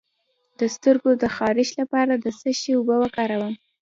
د سترګو د خارښ لپاره د څه شي اوبه وکاروم؟